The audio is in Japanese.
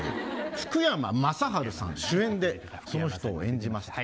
福山雅治さん主演でその人を演じました。